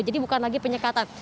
jadi bukan lagi penyekatan